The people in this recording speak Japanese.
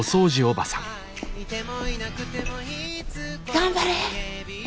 頑張れ！